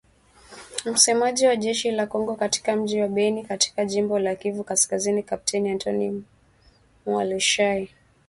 Msemaji wa jeshi la Kongo katika mji wa Beni katika jimbo la Kivu Kaskazini Kapteni Antony Mualushayi